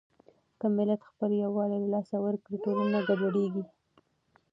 که ملت خپل يووالی له لاسه ورکړي، ټولنه ګډوډېږي.